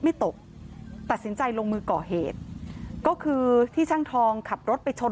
ไม่ตกตัดสินใจลงมือก่อเหตุก็คือที่ช่างทองขับรถไปชน